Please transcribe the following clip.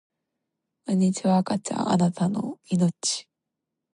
こんにちは赤ちゃんあなたの生命